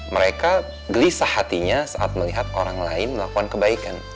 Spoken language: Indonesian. mereka gelisah hatinya saat melihat orang lain melakukan kebaikan